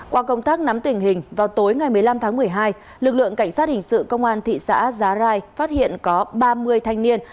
qua công tác nắm tình hình vào tối ngày một mươi năm tháng một mươi hai lực lượng cảnh sát hình sự công an thị xã giá rai phát hiện có ba mươi thanh niên